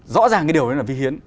rõ ràng cái điều đó là vi hiến